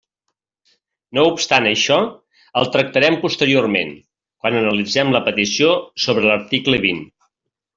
No obstant això, el tractarem posteriorment, quan analitzem la petició sobre l'article vint.